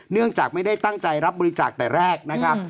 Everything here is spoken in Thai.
เนื่องจากไม่ได้ตั้งใจรับบริจาคแต่แรกนะครับ